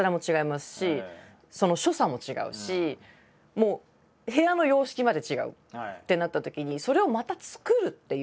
もう部屋の様式まで違うってなったときにそれをまた作るっていうのが。